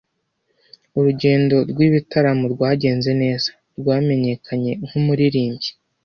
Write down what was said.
Urugendo rwibitaramo rwagenze neza rwamenyekanye nkumuririmbyi.